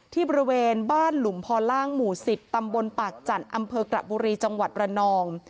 บริเวณบ้านหลุมพอล่างหมู่๑๐ตำบลปากจันทร์อำเภอกระบุรีจังหวัดระนอง